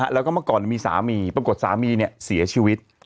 แล้วก็เมื่อก่อนมีสามีปรากฏสามีเสียชีวิต